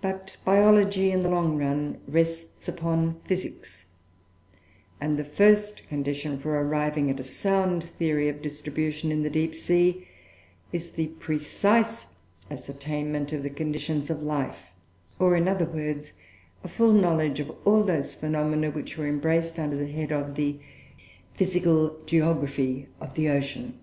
But biology, in the long run, rests upon physics, and the first condition for arriving at a sound theory of distribution in the deep sea, is the precise ascertainment of the conditions of life; or, in other words, a full knowledge of all those phenomena which are embraced under the head of the Physical Geography of the Ocean.